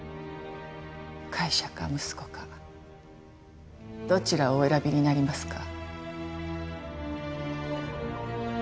会社か息子かどちらをお選びになりますか？